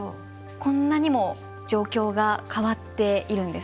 こんなにも状況が変わっているんです。